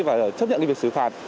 và chấp nhận cái việc xử phạt